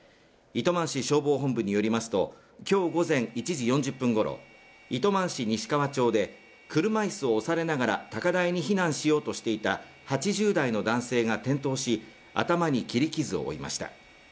糸満市消防本部によりますと、今日午前１時４０分ごろ糸満市西川町で車椅子を押されながら高台に避難しようとしていた８０代の男性が転倒し頭に切り傷を負いました。